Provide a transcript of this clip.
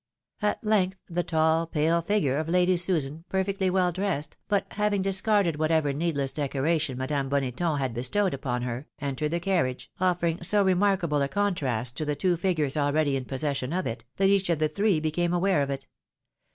At length the tall pale figure of Lady Susan, perfectly weU dressed, but having discarded whatever needless decoration Madame Boneton had bestowed upon her, entered the carriage, offering so remark able a contrast to the two figures already in possession of it, that each of the three became aware of it.